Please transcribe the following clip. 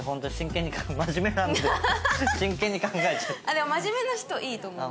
でも真面目な人いいと思います。